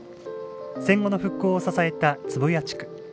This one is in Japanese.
戦後の復興を支えた壺屋地区。